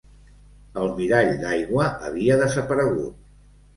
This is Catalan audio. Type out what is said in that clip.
El mirall d'aigua havia desaparegut